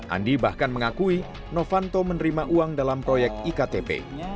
andi bahkan mengakui novanto menerima uang dalam proyek iktp